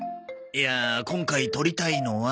いやあ今回撮りたいのは。